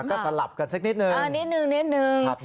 ก็สลับกันสิบนิดนึง